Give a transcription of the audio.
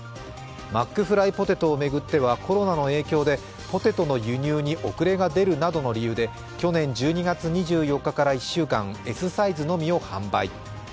マックフライポテトを巡ってはコロナの影響でポテトの輸入に遅れが出るなどの理由で去年１２月２４日から１週間Ｓサイズのみを販売。